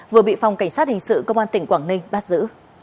vừa bị phòng cảnh sát hình sự công an tỉnh quảng ninh bắt giữ